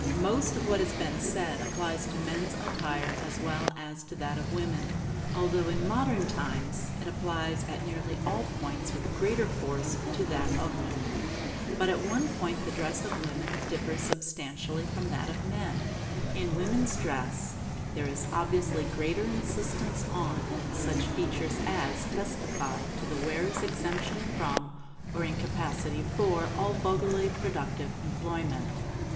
Most of what has been said applies to men's attire as well as to that of women; although in modern times it applies at nearly all points with greater force to that of women. But at one point the dress of women differs substantially from that of men. In woman's dress there is obviously greater insistence on such features as testify to the wearer's exemption from or incapacity for all vulgarly productive employment.